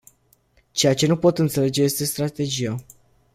Ceea ce nu pot înțelege este strategia.